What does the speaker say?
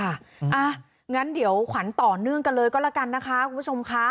อ่ะงั้นเดี๋ยวขวัญต่อเนื่องกันเลยก็แล้วกันนะคะคุณผู้ชมค่ะ